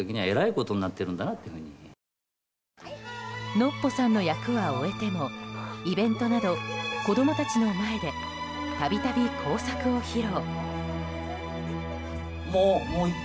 ノッポさんの役は終えてもイベントなど子供たちの前でたびたび工作を披露。